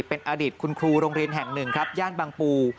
เป็นอดีตคุณครูโรงเรียนแห่งหนึ่งครับย่านบางปู